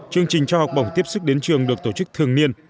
chương trình cho học bổng tiếp sức đến trường được tổ chức thường niên